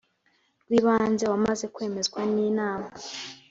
rw ibanze wamaze kwemezwa n inama